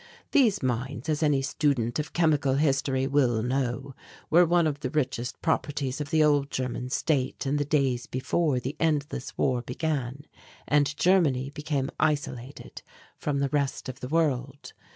These mines, as any student of chemical history will know, were one of the richest properties of the old German state in the days before the endless war began and Germany became isolated from the rest of the world.